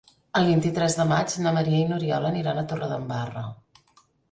El vint-i-tres de maig na Maria i n'Oriol aniran a Torredembarra.